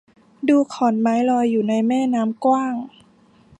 ดูขอนไม้ลอยอยู่ในแม่น้ำกว้าง